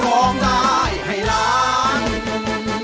ร้องได้ให้ล้าง